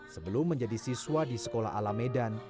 sebelum menjadi siswa di sekolah ala medan